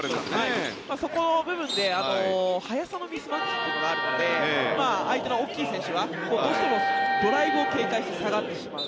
そこの部分で、速さのミスマッチというのがあるので相手の大きい選手はどうしてもドライブを警戒して下がってしまう。